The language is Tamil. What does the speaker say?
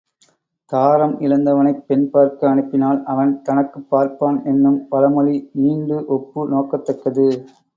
தாரம் இழந்தவனைப் பெண் பார்க்க அனுப்பினால், அவன் தனக்குப் பார்ப்பான் என்னும் பழமொழி ஈண்டு ஒப்பு நோக்கத்தக்கது.